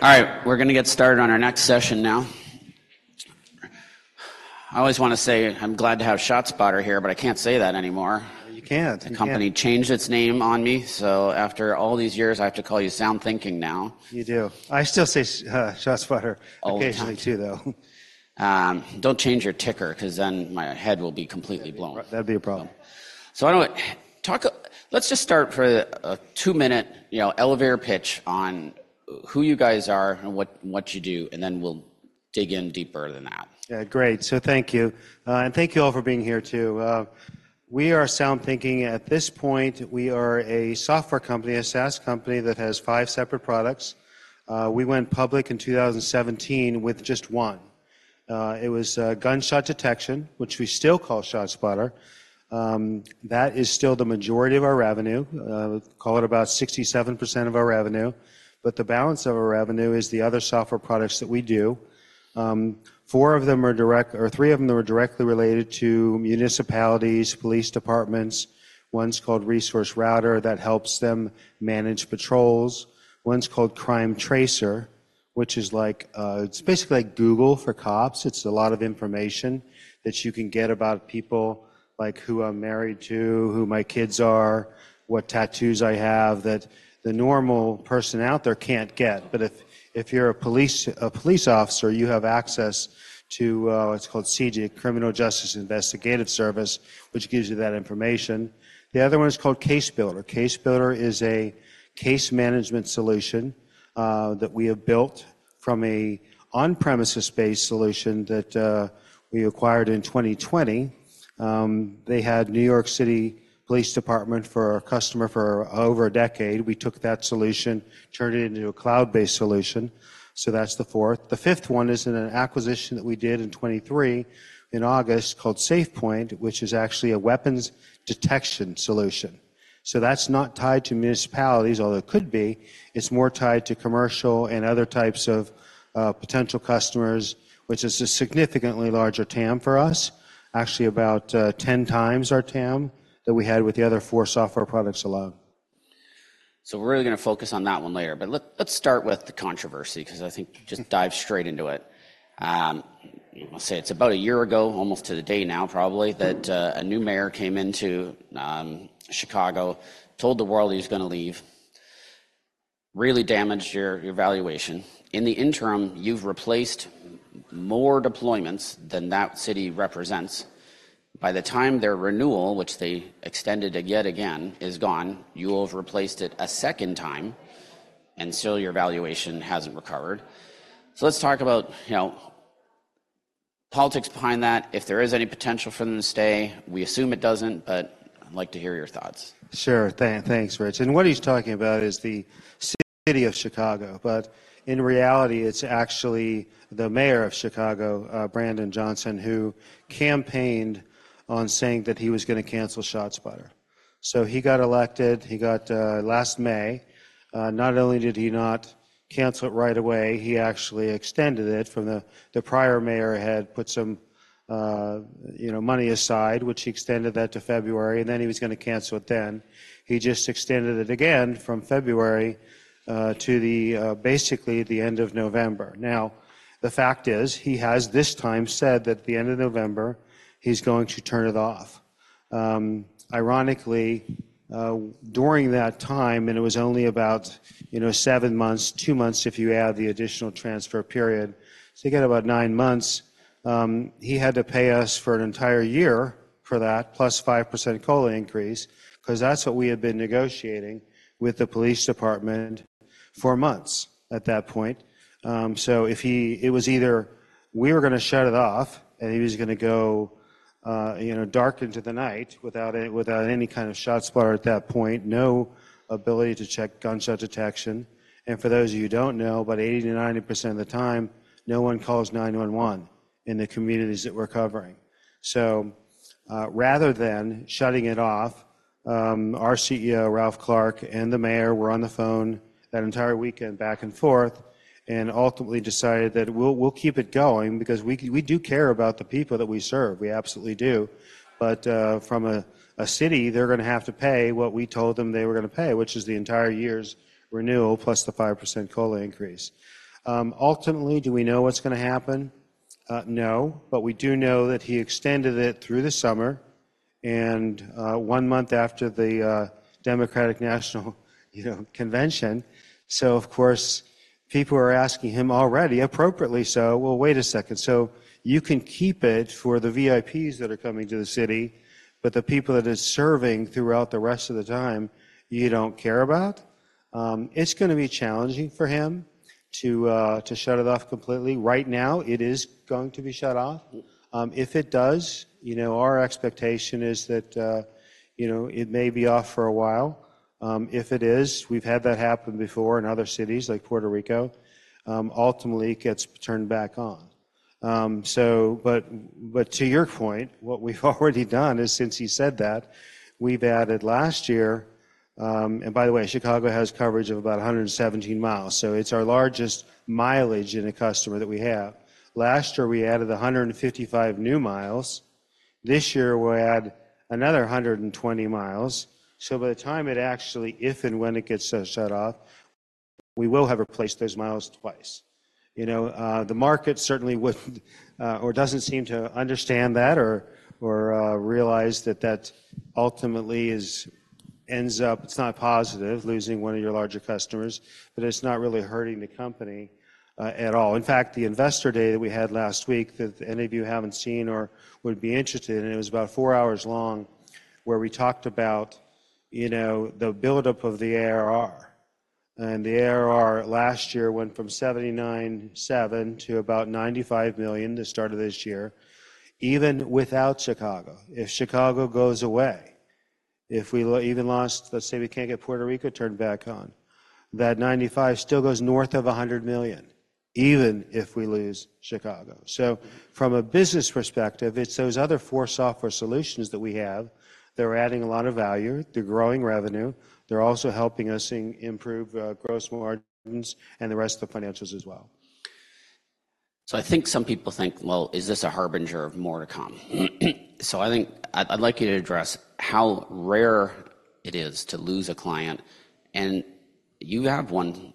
All right, we're going to get started on our next session now. I always want to say I'm glad to have ShotSpotter here, but I can't say that anymore. You can't. The company changed its name on me, so after all these years I have to call you SoundThinking now. You do. I still say ShotSpotter occasionally too, though. Don't change your ticker because then my head will be completely blown. That'd be a problem. I don't know what to talk about. Let's just start with a two-minute elevator pitch on who you guys are and what you do, and then we'll dig in deeper than that. Yeah, great. So thank you, and thank you all for being here too. We are SoundThinking. At this point, we are a software company, a SaaS company that has five separate products. We went public in 2017 with just one. It was gunshot detection, which we still call ShotSpotter. That is still the majority of our revenue. Call it about 67% of our revenue, but the balance of our revenue is the other software products that we do. Four of them are direct or three of them are directly related to municipalities, police departments. One's called ResourceRouter that helps them manage patrols. One's called CrimeTracer, which is like it's basically like Google for cops. It's a lot of information that you can get about people like who I'm married to, who my kids are, what tattoos I have that the normal person out there can't get. But if you're a police officer, you have access to what's called CJIS, Criminal Justice Information Services, which gives you that information. The other one is called CaseBuilder. CaseBuilder is a case management solution that we have built from an on-premises-based solution that we acquired in 2020. They had New York City Police Department for a customer for over a decade. We took that solution, turned it into a cloud-based solution. So that's the fourth. The fifth one is an acquisition that we did in 2023 in August called SafePointe, which is actually a weapons detection solution. So that's not tied to municipalities, although it could be. It's more tied to commercial and other types of potential customers, which is a significantly larger TAM for us, actually about 10 times our TAM that we had with the other four software products alone. So we're really going to focus on that one later, but let's start with the controversy because I think just dive straight into it. I'll say it's about a year ago, almost to the day now probably, that a new mayor came into Chicago, told the world he was going to leave, really damaged your valuation. In the interim, you've replaced more deployments than that city represents. By the time their renewal, which they extended yet again, is gone, you will have replaced it a second time, and still your valuation hasn't recovered. So let's talk about politics behind that, if there is any potential for them to stay. We assume it doesn't, but I'd like to hear your thoughts. Sure. Thanks, Rich. And what he's talking about is the city of Chicago, but in reality, it's actually the mayor of Chicago, Brandon Johnson, who campaigned on saying that he was going to cancel ShotSpotter. So he got elected. He got last May. Not only did he not cancel it right away, he actually extended it from the prior mayor had put some money aside, which he extended that to February, and then he was going to cancel it then. He just extended it again from February to basically the end of November. Now, the fact is, he has this time said that the end of November, he's going to turn it off. Ironically, during that time, and it was only about seven months, two months if you add the additional transfer period, so you get about nine months, he had to pay us for an entire year for that, plus 5% COLA increase, because that's what we had been negotiating with the police department for months at that point. So it was either we were going to shut it off and he was going to go dark into the night without any kind of ShotSpotter at that point, no ability to check gunshot detection. And for those of you who don't know, about 80%-90% of the time, no one calls 911 in the communities that we're covering. So rather than shutting it off, our CEO, Ralph Clark, and the mayor were on the phone that entire weekend back and forth and ultimately decided that we'll keep it going because we do care about the people that we serve. We absolutely do. But from a city, they're going to have to pay what we told them they were going to pay, which is the entire year's renewal plus the 5% COLA increase. Ultimately, do we know what's going to happen? No, but we do know that he extended it through the summer and one month after the Democratic National Convention. So, of course, people are asking him already, appropriately so, "Well, wait a second. So you can keep it for the VIPs that are coming to the city, but the people that are serving throughout the rest of the time, you don't care about?" It's going to be challenging for him to shut it off completely. Right now, it is going to be shut off. If it does, our expectation is that it may be off for a while. If it is, we've had that happen before in other cities like Puerto Rico. Ultimately, it gets turned back on. But to your point, what we've already done is since he said that, we've added last year and by the way, Chicago has coverage of about 117 miles, so it's our largest mileage in a customer that we have. Last year, we added 155 new miles. This year, we'll add another 120 miles. So by the time it actually, if and when it gets shut off, we will have replaced those miles twice. The market certainly wouldn't or doesn't seem to understand that or realize that that ultimately ends up it's not positive losing one of your larger customers, but it's not really hurting the company at all. In fact, the investor day that we had last week that any of you haven't seen or would be interested in, it was about four hours long where we talked about the buildup of the ARR. And the ARR last year went from $79.7 million to about $95 million the start of this year, even without Chicago. If Chicago goes away, if we even lost let's say we can't get Puerto Rico turned back on, that $95 million still goes north of $100 million even if we lose Chicago. From a business perspective, it's those other four software solutions that we have that are adding a lot of value. They're growing revenue. They're also helping us improve gross margins and the rest of the financials as well. So I think some people think, "Well, is this a harbinger of more to come?" I'd like you to address how rare it is to lose a client. And you have won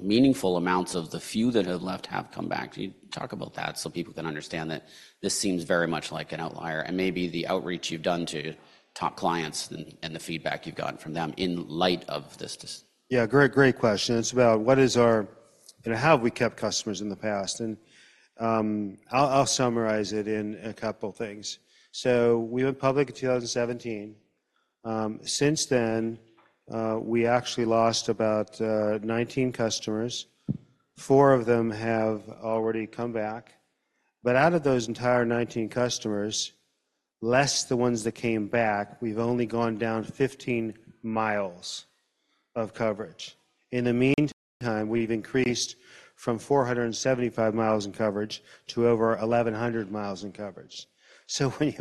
meaningful amounts of the few that have left have come back. Can you talk about that so people can understand that this seems very much like an outlier and maybe the outreach you've done to top clients and the feedback you've gotten from them in light of this? Yeah, great question. It's about what is our how have we kept customers in the past? I'll summarize it in a couple of things. We went public in 2017. Since then, we actually lost about 19 customers. Four of them have already come back. But out of those entire 19 customers, less the ones that came back, we've only gone down 15 miles of coverage. In the meantime, we've increased from 475 miles in coverage to over 1,100 miles in coverage. When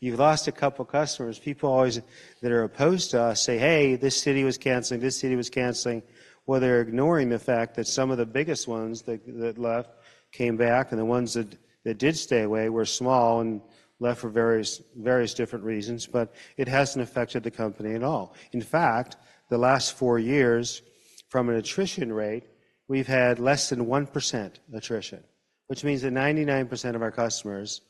you've lost a couple of customers, people always that are opposed to us say, "Hey, this city was canceling. This city was canceling." Well, they're ignoring the fact that some of the biggest ones that left came back and the ones that did stay away were small and left for various different reasons, but it hasn't affected the company at all. In fact, the last four years from an attrition rate, we've had less than 1% attrition, which means that 99% of our customers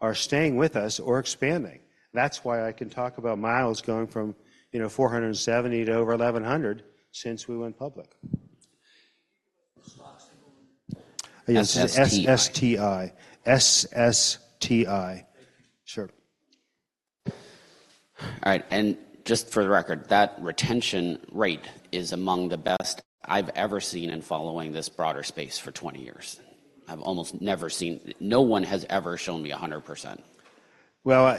are staying with us or expanding. That's why I can talk about miles going from 470 to over 1,100 since we went public. STI. SSTI. Sure. All right. Just for the record, that retention rate is among the best I've ever seen in following this broader space for 20 years. I've almost never seen. No one has ever shown me 100%. Well,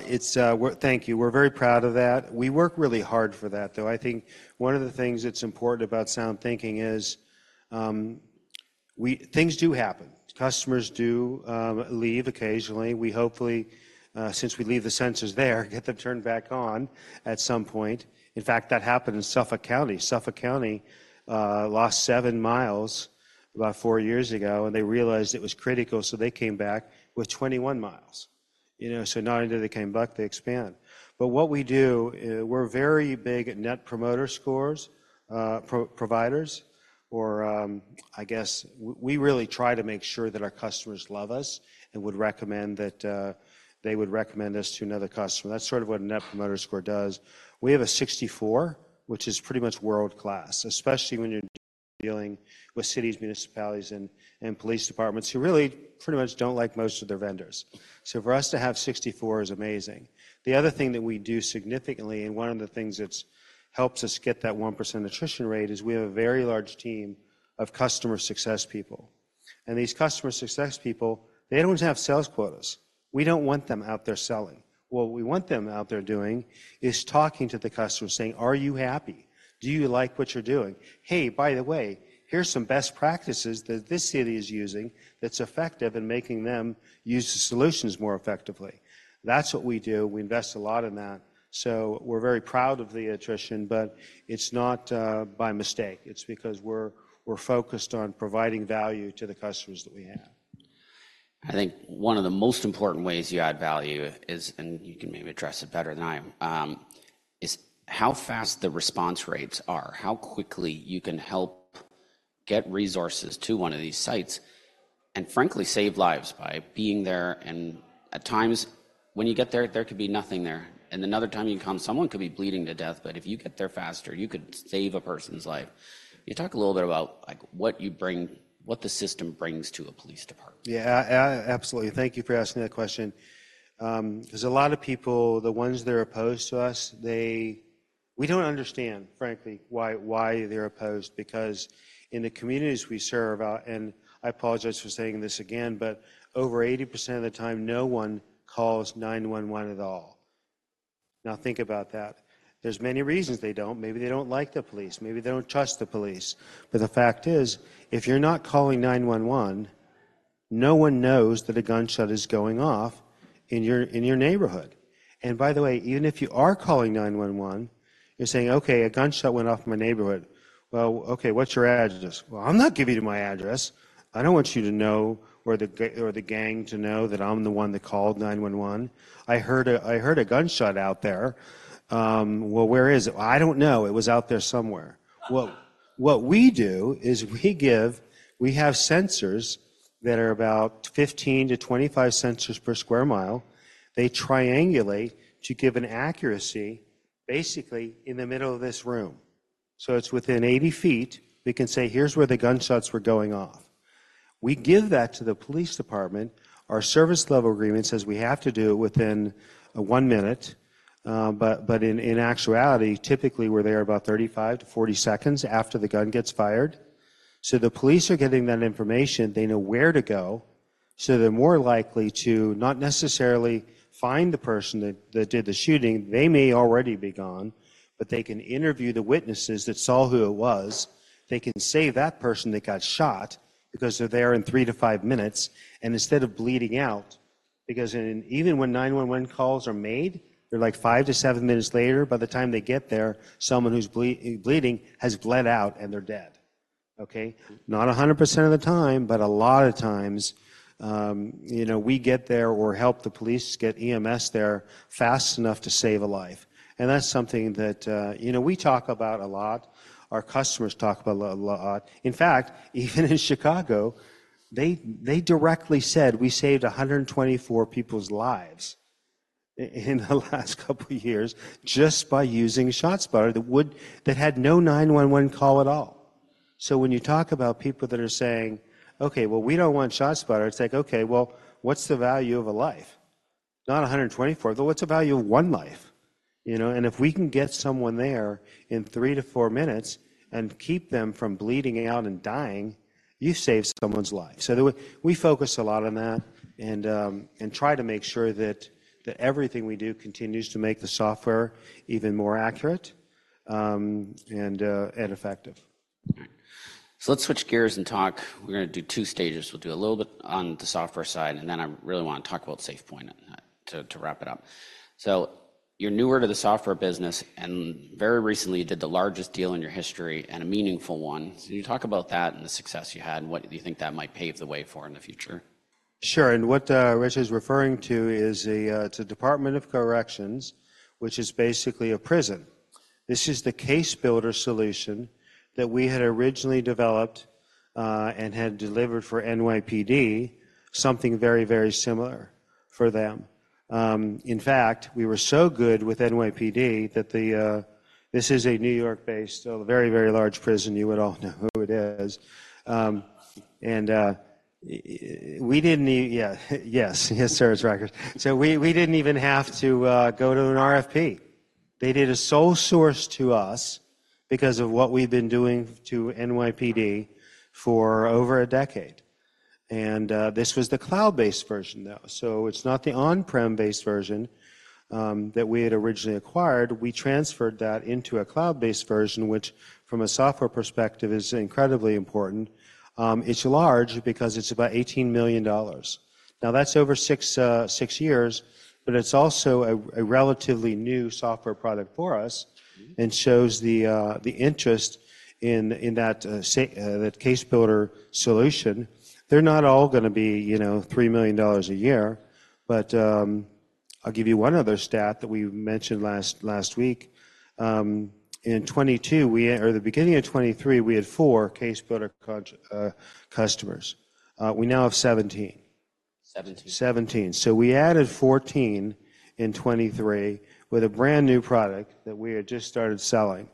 thank you. We're very proud of that. We work really hard for that, though. I think one of the things that's important about SoundThinking is things do happen. Customers do leave occasionally. We hopefully, since we leave the sensors there, get them turned back on at some point. In fact, that happened in Suffolk County. Suffolk County lost 7 miles about four years ago, and they realized it was critical, so they came back with 21 miles. So not only did they come back, they expanded. But what we do, we're very big at Net Promoter Scores providers, or I guess we really try to make sure that our customers love us and would recommend that they would recommend us to another customer. That's sort of what a Net Promoter Scores does. We have a 64, which is pretty much world-class, especially when you're dealing with cities, municipalities, and police departments who really pretty much don't like most of their vendors. So for us to have 64 is amazing. The other thing that we do significantly, and one of the things that helps us get that 1% attrition rate, is we have a very large team of customer success people. These customer success people, they don't want to have sales quotas. We don't want them out there selling. What we want them out there doing is talking to the customers, saying, "Are you happy? Do you like what you're doing? Hey, by the way, here's some best practices that this city is using that's effective in making them use the solutions more effectively." That's what we do. We invest a lot in that. We're very proud of the attrition, but it's not by mistake. It's because we're focused on providing value to the customers that we have. I think one of the most important ways you add value is, and you can maybe address it better than I am, is how fast the response rates are, how quickly you can help get resources to one of these sites and frankly, save lives by being there. At times, when you get there, there could be nothing there. Another time you can come, someone could be bleeding to death, but if you get there faster, you could save a person's life. Can you talk a little bit about what you bring, what the system brings to a police department? Yeah, absolutely. Thank you for asking that question. Because a lot of people, the ones that are opposed to us, we don't understand, frankly, why they're opposed, because in the communities we serve, and I apologize for saying this again, but over 80% of the time, no one calls 911 at all. Now, think about that. There's many reasons they don't. Maybe they don't like the police. Maybe they don't trust the police. But the fact is, if you're not calling 911, no one knows that a gunshot is going off in your neighborhood. And by the way, even if you are calling 911, you're saying, "Okay, a gunshot went off in my neighborhood." Well, okay, what's your address? Well, I'm not giving you my address. I don't want you to know or the gang to know that I'm the one that called 911. I heard a gunshot out there. Well, where is it? I don't know. It was out there somewhere. What we do is we have sensors that are about 15-25 sensors per sq mi. They triangulate to give an accuracy basically in the middle of this room. So it's within 80 ft. We can say, "Here's where the gunshots were going off." We give that to the police department. Our service level agreement says we have to do it within 1 minute. But in actuality, typically, we're there about 35-40 seconds after the gun gets fired. So the police are getting that information. They know where to go. So they're more likely to not necessarily find the person that did the shooting. They may already be gone, but they can interview the witnesses that saw who it was. They can save that person that got shot because they're there in three to five minutes. And instead of bleeding out, because even when 911 calls are made, they're like five to seven minutes later, by the time they get there, someone who's bleeding has bled out and they're dead. Okay? Not 100% of the time, but a lot of times, we get there or help the police get EMS there fast enough to save a life. And that's something that we talk about a lot. Our customers talk about a lot. In fact, even in Chicago, they directly said, "We saved 124 people's lives in the last couple of years just by using ShotSpotter that had no 911 call at all." So when you talk about people that are saying, "Okay, well, we don't want ShotSpotter," it's like, "Okay, well, what's the value of a life? Not 124, but what's the value of one life?" And if we can get someone there in three to four minutes and keep them from bleeding out and dying, you save someone's life. So we focus a lot on that and try to make sure that everything we do continues to make the software even more accurate and effective. All right. So let's switch gears and talk. We're going to do two stages. We'll do a little bit on the software side, and then I really want to talk about SafePointe to wrap it up. So you're newer to the software business, and very recently, you did the largest deal in your history and a meaningful one. Can you talk about that and the success you had and what you think that might pave the way for in the future? Sure. And what Rich is referring to is a Department of Corrections, which is basically a prison. This is the CaseBuilder solution that we had originally developed and had delivered for NYPD, something very, very similar for them. In fact, we were so good with NYPD that this is a New York-based, a very, very large prison. You would all know who it is. And we didn't need yeah, yes. Yes, sir. It's Rikers. So we didn't even have to go to an RFP. They did a sole source to us because of what we've been doing to NYPD for over a decade. And this was the cloud-based version, though. So it's not the on-prem-based version that we had originally acquired. We transferred that into a cloud-based version, which from a software perspective is incredibly important. It's large because it's about $18 million. Now, that's over six years, but it's also a relatively new software product for us and shows the interest in that CaseBuilder solution. They're not all going to be $3 million a year. But I'll give you one other stat that we mentioned last week. In 2022 or the beginning of 2023, we had 4 CaseBuilder customers. We now have 17. 17. We added 14 in 2023 with a brand new product that we had just started selling.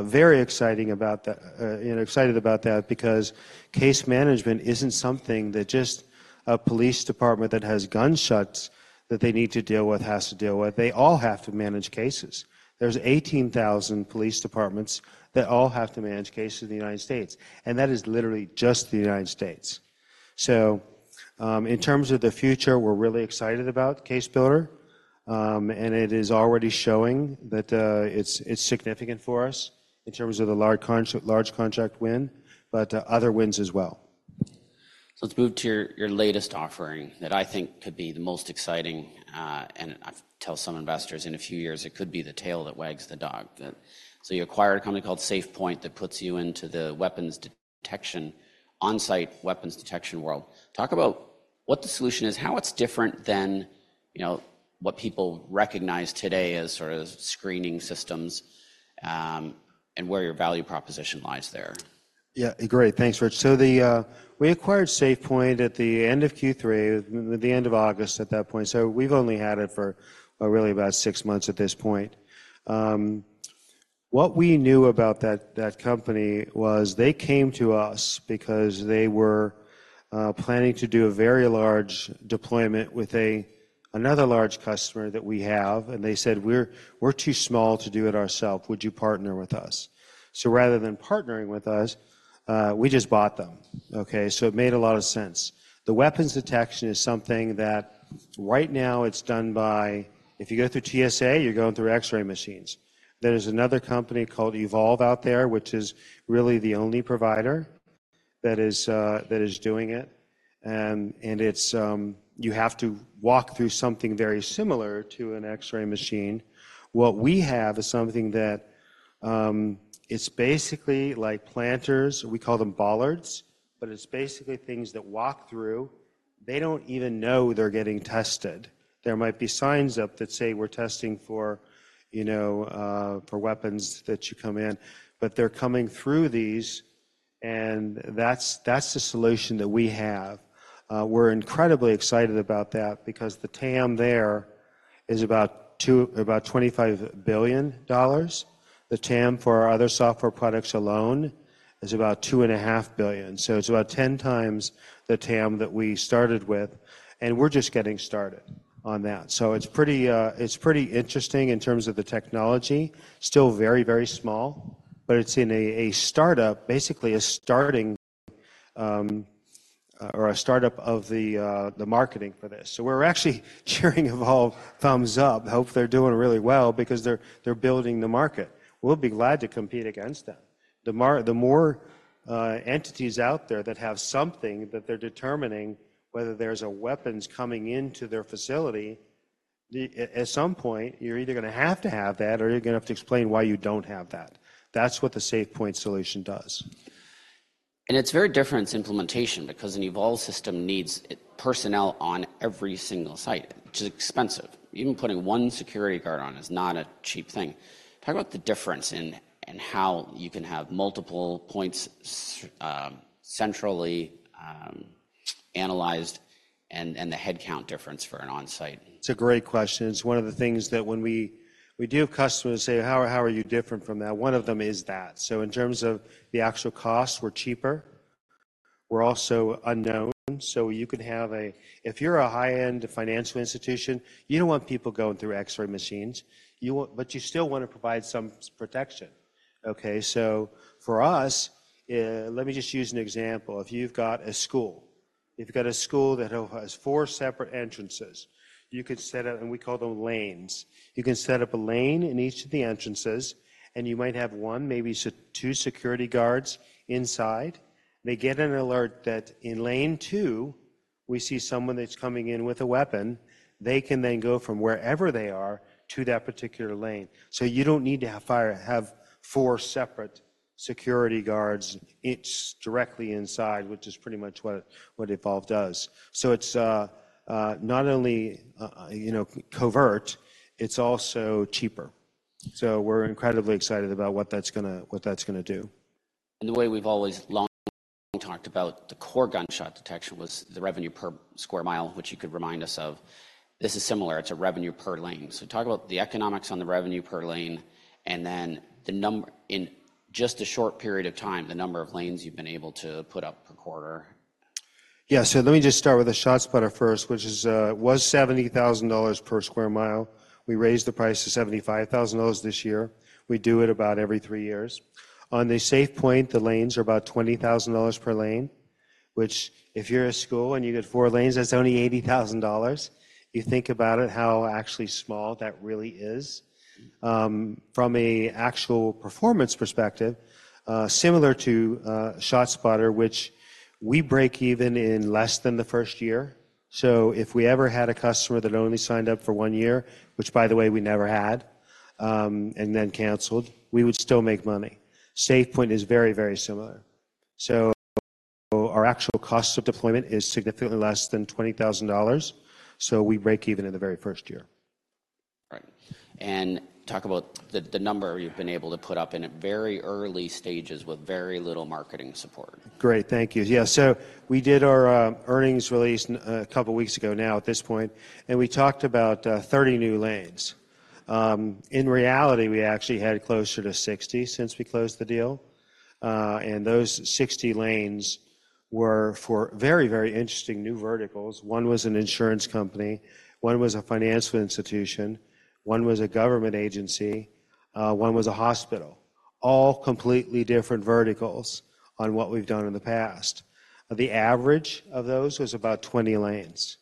Very exciting about that because case management isn't something that just a police department that has gunshots that they need to deal with has to deal with. They all have to manage cases. There's 18,000 police departments that all have to manage cases in the United States. That is literally just the United States. In terms of the future, we're really excited about CaseBuilder, and it is already showing that it's significant for us in terms of the large contract win, but other wins as well. Let's move to your latest offering that I think could be the most exciting. I tell some investors, in a few years, it could be the tail that wags the dog. You acquired a company called SafePointe that puts you into the on-site weapons detection world. Talk about what the solution is, how it's different than what people recognize today as sort of screening systems, and where your value proposition lies there. Yeah, great. Thanks, Rich. So we acquired SafePointe at the end of Q3, the end of August at that point. So we've only had it for really about six months at this point. What we knew about that company was they came to us because they were planning to do a very large deployment with another large customer that we have, and they said, "We're too small to do it ourselves. Would you partner with us?" So rather than partnering with us, we just bought them. Okay? So it made a lot of sense. The weapons detection is something that right now, it's done by if you go through TSA, you're going through X-ray machines. There is another company called Evolv out there, which is really the only provider that is doing it. And you have to walk through something very similar to an X-ray machine. What we have is something that it's basically like planters. We call them bollards, but it's basically things that walk through. They don't even know they're getting tested. There might be signs up that say, "We're testing for weapons that you come in," but they're coming through these, and that's the solution that we have. We're incredibly excited about that because the TAM there is about $25 billion. The TAM for our other software products alone is about $2.5 billion. So it's about 10 times the TAM that we started with, and we're just getting started on that. So it's pretty interesting in terms of the technology. Still very, very small, but it's in a startup, basically a starting or a startup of the marketing for this. So we're actually cheering Evolv, thumbs up. Hope they're doing really well because they're building the market. We'll be glad to compete against them. The more entities out there that have something that they're determining whether there's a weapons coming into their facility, at some point, you're either going to have to have that or you're going to have to explain why you don't have that. That's what the SafePointe solution does. It's very different in implementation because an Evolv system needs personnel on every single site, which is expensive. Even putting one security guard on is not a cheap thing. Talk about the difference in how you can have multiple points centrally analyzed and the headcount difference for an on-site. It's a great question. It's one of the things that when we do have customers say, "How are you different from that?" One of them is that. So in terms of the actual cost, we're cheaper. We're also unknown. So you could have a if you're a high-end financial institution, you don't want people going through X-ray machines, but you still want to provide some protection. Okay? So for us, let me just use an example. If you've got a school, if you've got a school that has four separate entrances, you could set up and we call them lanes. You can set up a lane in each of the entrances, and you might have one, maybe two security guards inside. They get an alert that in lane two, we see someone that's coming in with a weapon. They can then go from wherever they are to that particular lane. You don't need to have four separate security guards directly inside, which is pretty much what Evolv does. It's not only covert, it's also cheaper. We're incredibly excited about what that's going to do. The way we've always long talked about the core gunshot detection was the revenue per square mile, which you could remind us of. This is similar. It's a revenue per lane. Talk about the economics on the revenue per lane and then the number in just a short period of time, the number of lanes you've been able to put up per quarter. Yeah. So let me just start with the ShotSpotter first, which was $70,000 per sq mi. We raised the price to $75,000 this year. We do it about every three years. On the SafePointe, the lanes are about $20,000 per lane, which if you're a school and you get four lanes, that's only $80,000. You think about it, how actually small that really is. From an actual performance perspective, similar to ShotSpotter, which we break even in less than the first year. So if we ever had a customer that only signed up for one year, which by the way, we never had, and then canceled, we would still make money. SafePointe is very, very similar. So our actual cost of deployment is significantly less than $20,000. So we break even in the very first year. All right. Talk about the number you've been able to put up in very early stages with very little marketing support. Great. Thank you. Yeah. So we did our earnings release a couple of weeks ago now at this point, and we talked about 30 new lanes. In reality, we actually had closer to 60 since we closed the deal. And those 60 lanes were for very, very interesting new verticals. One was an insurance company. One was a finance institution. One was a government agency. One was a hospital. All completely different verticals on what we've done in the past. The average of those was about 20 lanes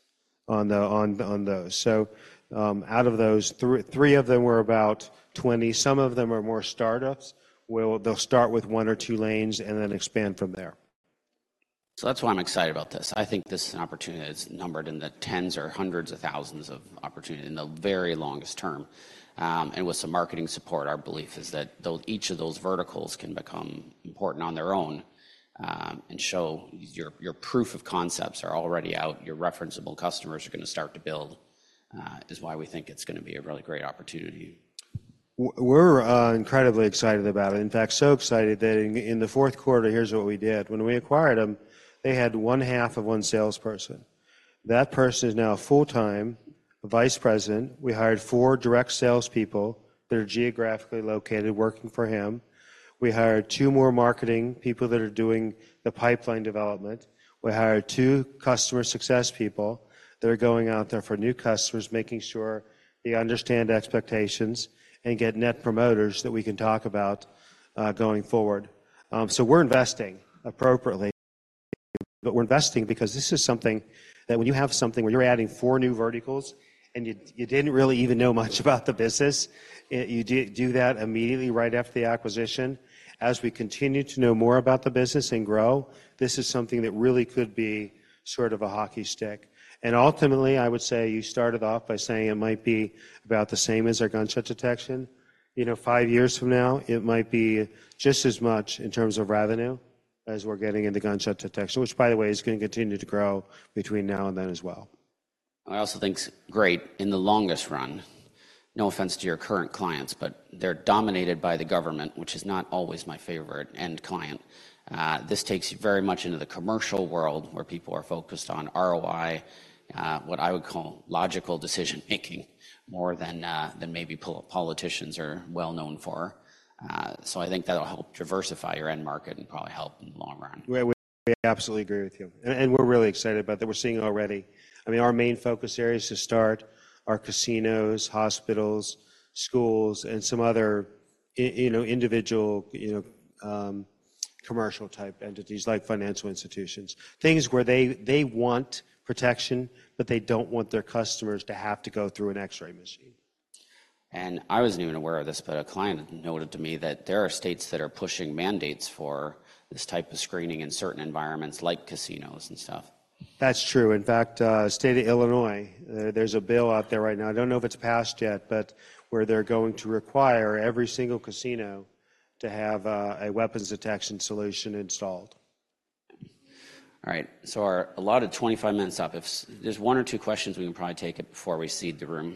on those. So out of those, three of them were about 20. Some of them are more startups. They'll start with one or two lanes and then expand from there. So that's why I'm excited about this. I think this opportunity is numbered in the tens or hundreds of thousands of opportunities in the very longest term. And with some marketing support, our belief is that each of those verticals can become important on their own and show your proof of concepts are already out. Your referenceable customers are going to start to build is why we think it's going to be a really great opportunity. We're incredibly excited about it. In fact, so excited that in the fourth quarter, here's what we did. When we acquired them, they had one half of one salesperson. That person is now a full-time vice president. We hired four direct salespeople that are geographically located working for him. We hired two more marketing people that are doing the pipeline development. We hired two customer success people that are going out there for new customers, making sure they understand expectations and get net promoters that we can talk about going forward. So we're investing appropriately, but we're investing because this is something that when you have something where you're adding four new verticals and you didn't really even know much about the business, you do that immediately right after the acquisition. As we continue to know more about the business and grow, this is something that really could be sort of a hockey stick. Ultimately, I would say you started off by saying it might be about the same as our gunshot detection. Five years from now, it might be just as much in terms of revenue as we're getting in the gunshot detection, which, by the way, is going to continue to grow between now and then as well. I also think it's great in the longest run. No offense to your current clients, but they're dominated by the government, which is not always my favorite end client. This takes you very much into the commercial world where people are focused on ROI, what I would call logical decision-making more than maybe politicians are well known for. So I think that'll help diversify your end market and probably help in the long run. We absolutely agree with you. We're really excited about that. We're seeing already. I mean, our main focus areas to start are casinos, hospitals, schools, and some other individual commercial-type entities like financial institutions, things where they want protection, but they don't want their customers to have to go through an X-ray machine. I wasn't even aware of this, but a client noted to me that there are states that are pushing mandates for this type of screening in certain environments like casinos and stuff. That's true. In fact, State of Illinois, there's a bill out there right now. I don't know if it's passed yet, but where they're going to require every single casino to have a weapons detection solution installed. All right. So a lot of 25 minutes up. If there's one or two questions, we can probably take it before we cede the room.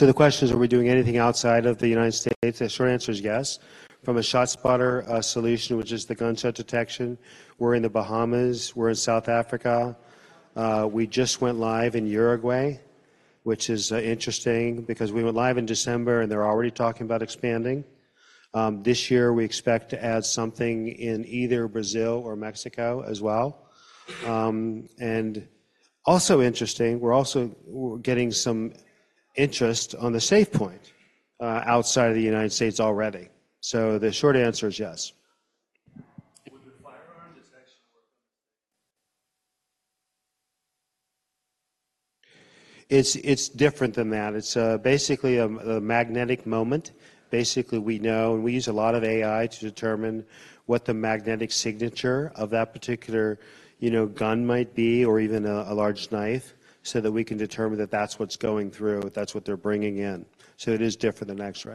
Yep. Are you doing anything else? So the question is, are we doing anything outside of the United States? The short answer is yes. From a ShotSpotter solution, which is the gunshot detection, we're in the Bahamas. We're in South Africa. We just went live in Uruguay, which is interesting because we went live in December, and they're already talking about expanding. This year, we expect to add something in either Brazil or Mexico as well. And also interesting, we're also getting some interest on the SafePointe outside of the United States already. So the short answer is yes. Would the firearm detection work on the state? It's different than that. It's basically a magnetic moment. Basically, we know and we use a lot of AI to determine what the magnetic signature of that particular gun might be or even a large knife so that we can determine that that's what's going through, that's what they're bringing in. So it is different than X-ray.